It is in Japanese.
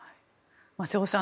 瀬尾さん